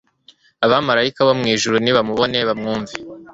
abamarayika bo mwijuru nibamubone, bamwumve